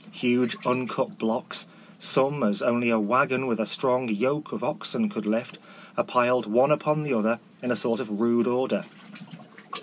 Huge uncut blocks, such as only a waggon with a strong yoke of oxen could lift, are piled one upon the other in a sort of rude order.